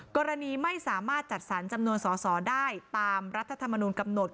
กรณีไม่สามารถจัดสรรจำนวนสอสอได้ตามรัฐธรรมนุนกำหนด